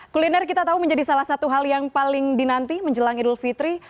kuliner kita tahu menjadi salah satu hal yang paling dinanti menjelang idul fitri